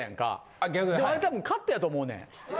あれ多分カットやと思うねん。